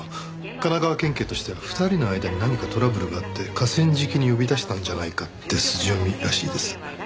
神奈川県警としては２人の間に何かトラブルがあって河川敷に呼び出したんじゃないかって筋読みらしいです。